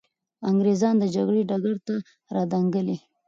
انګریزان د جګړې ډګر ته را دانګلي.